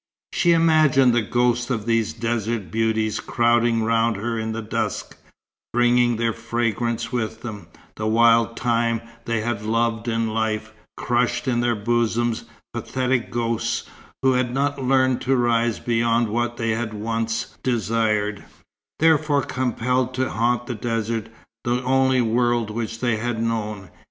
She imagined the ghosts of these desert beauties crowding round her in the dusk, bringing their fragrance with them, the wild thyme they had loved in life, crushed in their bosoms; pathetic ghosts, who had not learned to rise beyond what they had once desired, therefore compelled to haunt the desert, the only world which they had known.